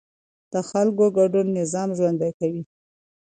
د خلکو ګډون نظام ژوندی کوي